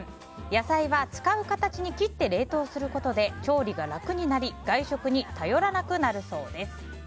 野菜は使う形に切って冷凍することで調理が楽になり外食に頼らなくなるそうです。